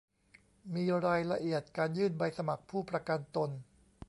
มีรายละเอียดการยื่นใบสมัครผู้ประกันตน